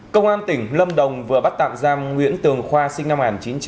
công an tỉnh lâm đồng vừa bắt tạm giam nguyễn tường khoa sinh năm một nghìn chín trăm tám mươi